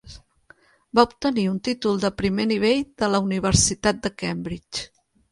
Va obtenir un títol de primer nivell de la Universitat de Cambridge